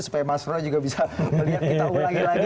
supaya mas roy juga bisa melihat kita ulangi lagi